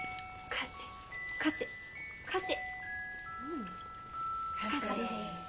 勝て勝て勝て。